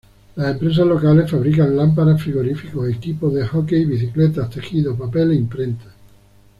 Las empresas locales fabrican lámparas, frigoríficos, equipo de hockey, bicicletas, tejido, papel e imprenta.